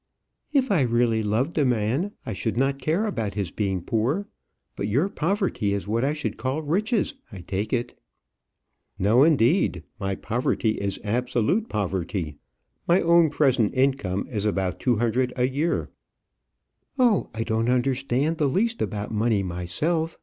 "If I really loved a man, I should not care about his being poor. But your poverty is what I should call riches, I take it." "No, indeed. My poverty is absolute poverty. My own present income is about two hundred a year." "Oh, I don't understand the least about money myself.